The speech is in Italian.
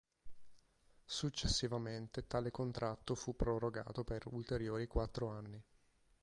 Successivamente tale contratto fu prorogato per ulteriori quattro anni.